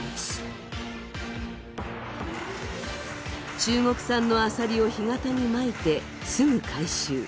中国産のアサリを干潟にまいてすぐ回収。